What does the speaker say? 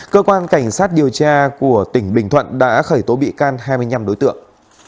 cơ quan cảnh sát điều tra của tỉnh bình thuận đã khởi tố bị can hai mươi năm đối tượng